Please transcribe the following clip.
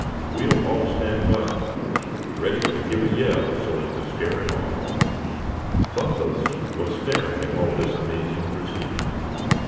We'll all stand by, ready to give a yell, so as to scare him off." Bumpus was staring at all this amazing procedure.